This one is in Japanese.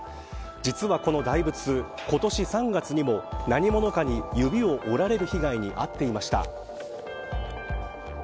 実はこの大仏、今年３月にも何者かに指を折られる被害に遭っていました。